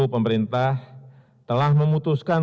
pemerintah telah memutuskan